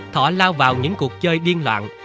thọ lao vào những cuộc chơi điên loạn